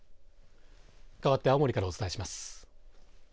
かわって青森からお伝えします。